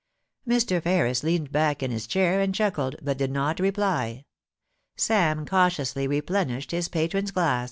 Mr. Ferris leaned back in his chair and chuckled, but did not reply. Sam cautiously replenished his patron's glass.